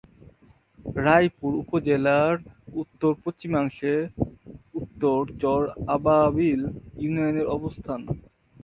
রায়পুর উপজেলার উত্তর-পশ্চিমাংশে উত্তর চর আবাবিল ইউনিয়নের অবস্থান।